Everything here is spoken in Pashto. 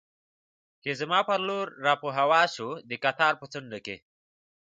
چې زما پر لور را په هوا شو، د قطار په څنډه کې.